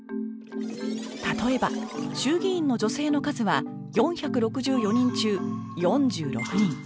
例えば衆議院の女性の数は４６４人中４６人